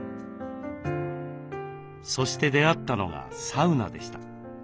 そして出会ったのがサウナでした。